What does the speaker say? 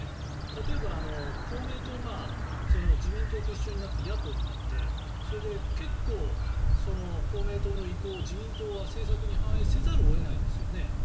例えば、公明党が自民党と一緒になって野党になってそれで結構公明党の意向を自民党は政策に反映せざるを得ないですよね。